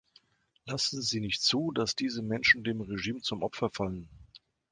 Lassen Sie nicht zu, dass diese Menschen dem Regime zum Opfer fallen.